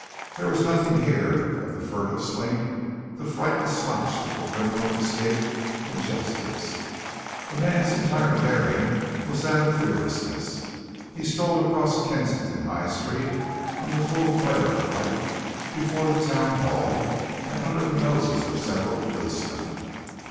There was nothing here of the furtive slink, the frightened slouch of the criminal escaped from justice; the man's entire bearing was that of fearlessness; he strode across Kensington High Street in the full glare of light before the Town Hall and under the noses of several policemen.